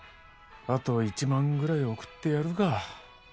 あと１万ぐらい送ってやるか。